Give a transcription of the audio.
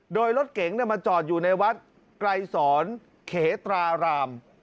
โดยรถเก๋งมาจอดอยู่ในวัดไกรสอนเขตราราม